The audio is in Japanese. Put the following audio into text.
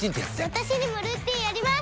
私にもルーティンあります！